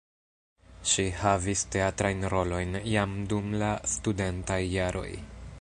Ŝi havis teatrajn rolojn jam dum la studentaj jaroj.